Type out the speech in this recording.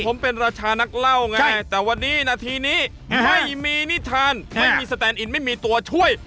ผมเป็นราชานักเล่าไงแต่วันนี้นาทีนี้ไม่มีนิทานไม่มีสแตนอินไม่มีตัวช่วย